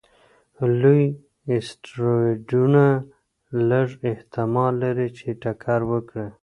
لوی اسټروېډونه لږ احتمال لري چې ټکر وکړي.